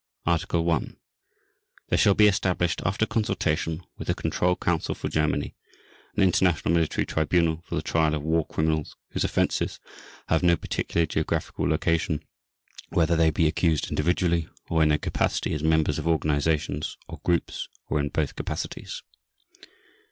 Article 1. There shall be established after consultation with the Control Council for Germany an International Military Tribunal for the trial of war criminals whose offenses have no particular geographical location whether they be accused individually or in their capacity as members of organizations or groups or in both capacities.